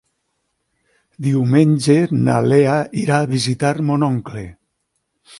Diumenge na Lea irà a visitar mon oncle.